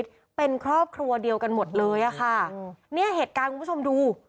ตาเจ็บและเสียชีวิตเป็นครอบครัวเดียวกันหมดเลยอ่ะค่ะเนี่ยเหตุการณ์คุณผู้ชมดู